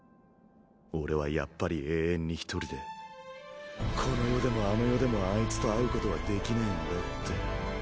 俺はやっぱり永遠に独りでこの世でもあの世でもあいつと会うことはできねぇんだって。